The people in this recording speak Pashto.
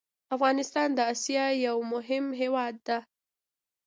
افغانستان د اسيا يو مهم هېواد ده